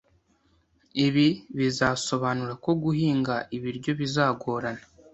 Ibi bizasobanura ko guhinga ibiryo bizagorana